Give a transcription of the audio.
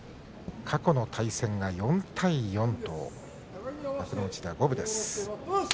過去の対戦は４対４、五分です。